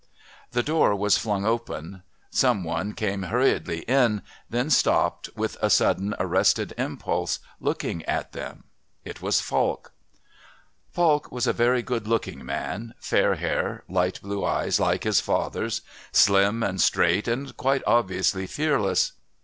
The door was flung open. Some one came hurriedly in, then stopped, with a sudden arrested impulse, looking at them. It was Falk. Falk was a very good looking man fair hair, light blue eyes like his father's, slim and straight and quite obviously fearless.